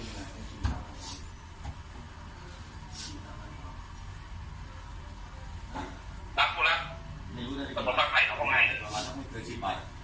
ตักกูแล้วต้องตักไข่ของผมไงเถอะ